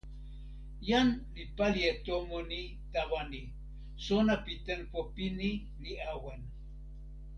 jan li pali e tomo ni tawa ni: sona pi tenpo pini li awen.